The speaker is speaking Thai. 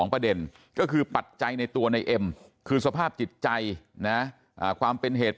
ประเด็นก็คือปัจจัยในตัวในเอ็มคือสภาพจิตใจนะความเป็นเหตุ